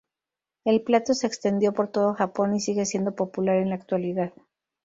El plato se extendió por todo Japón y sigue siendo popular en la actualidad.